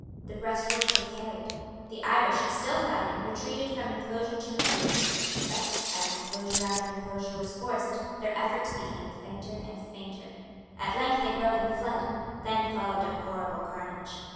The breastwork was carried. The Irish, still fighting, retreated from inclosure to inclosure. But, as inclosure after inclosure was forced, their efforts became fainter and fainter. At length they broke and fled. Then followed a horrible carnage.